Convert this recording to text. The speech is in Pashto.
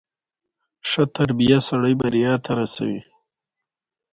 هلمند سیند د افغانستان د اوږدمهاله پایښت لپاره مهم رول لري.